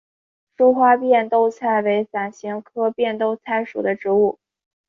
疏花变豆菜为伞形科变豆菜属的植物。